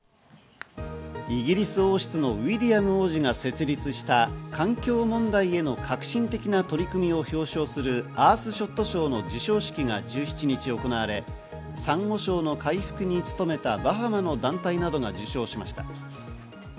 イギリス王室のウィリアム王子が設立した環境問題への革新的な取り組みを表彰するアースショット賞の授賞式が１７日行われ、サンゴ礁の回復に努めたバハマの団体などが受賞しました。